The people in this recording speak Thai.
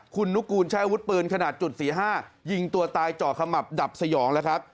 คุณนุกูลใช้อาวุธปืนขนาดจุด๔๕ยิงตัวตายเจาะขมับดับสยองแล้วครับ